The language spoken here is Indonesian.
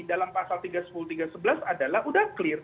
dalam pasal tiga sepuluh tiga sebelas adalah udah clear